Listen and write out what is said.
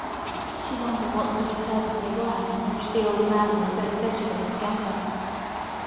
She wondered what sort of herbs they were which the old man was so sedulous to gather.